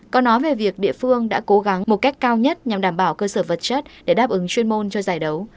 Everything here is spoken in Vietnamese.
có nói về việc địa phương đã cố gắng một cách cao nhất nhằm đảm bảo cơ sở vật chất để đáp ứng chuyên môn cho giải đấu